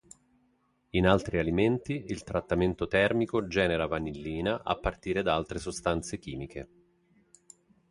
In altri alimenti, il trattamento termico genera vanillina a partire da altre sostanze chimiche.